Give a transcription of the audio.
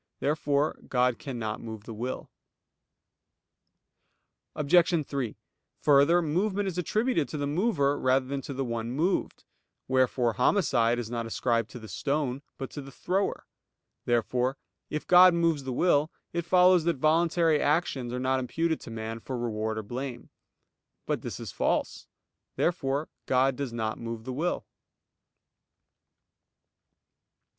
Therefore God cannot move the will. Obj. 3: Further, movement is attributed to the mover rather than to the one moved; wherefore homicide is not ascribed to the stone, but to the thrower. Therefore, if God moves the will, it follows that voluntary actions are not imputed to man for reward or blame. But this is false. Therefore God does not move the will.